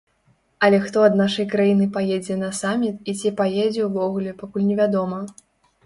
Але хто ад нашай краіны паедзе на саміт і ці паедзе ўвогуле, пакуль невядома.